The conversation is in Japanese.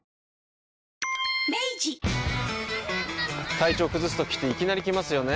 体調崩すときっていきなり来ますよね。